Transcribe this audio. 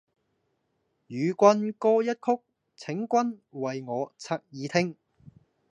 與君歌一曲，請君為我側耳聽！